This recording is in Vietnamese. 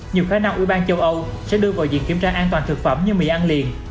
nhiều khả năng ủy ban châu âu sẽ đưa vào diện kiểm tra an toàn thực phẩm như mì ăn liền